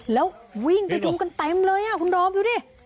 แล้ววิ่งไปดูกันเต็มเลยคุณดอมดูดิ